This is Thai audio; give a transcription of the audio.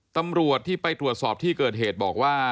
ตำรวจที่ไปตรวจสอบที่เกิดเหตุบอกว่า